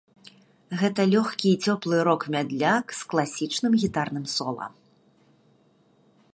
Гэта лёгкі і цёплы рок-мядляк з класічным гітарным сола.